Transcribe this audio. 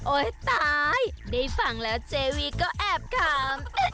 โอ๊ยตายได้ฟังแล้วเจวีก็แอบขำ